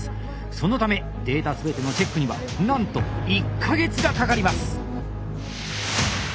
そのためデータ全てのチェックにはなんと１か月がかかります！